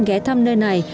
ghé thăm các nhà phụ quang